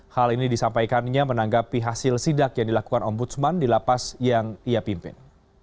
hal ini disampaikannya menanggapi hasil sidak yang dilakukan ombudsman di lapas yang ia pimpin